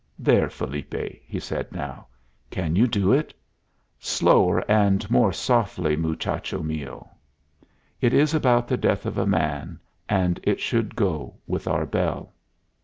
"There, Felipe!" he said now. "Can you do it? Slower, and more softly, muchacho mio. It is about the death of a man, and it should go with our bell."